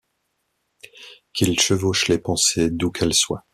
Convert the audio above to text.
Qu’il chevauche les pensées, d’où qu’elles soient.